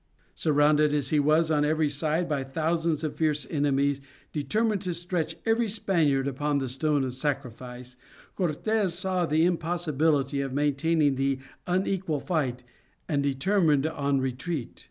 Surrounded as he was on every side by thousands of fierce enemies determined to stretch every Spaniard upon the stone of sacrifice, Cortes saw the impossibility of maintaining the unequal fight and determined on retreat.